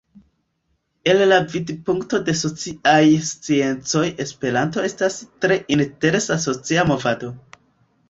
El la vidpunkto de sociaj sciencoj, Esperanto estas tre interesa socia movado.